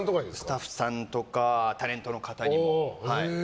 スタッフさんとかタレントの方にも。